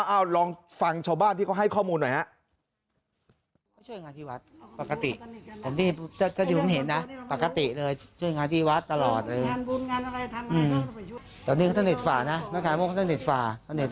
เอาลองฟังชาวบ้านที่เขาให้ข้อมูลหน่อยฮะ